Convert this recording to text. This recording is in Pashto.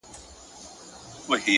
زما شاعري وخوړه زې وخوړم؛